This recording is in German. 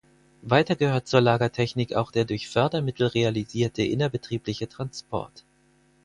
Weiter gehört zur Lagertechnik auch der durch Fördermittel realisierte innerbetriebliche Transport.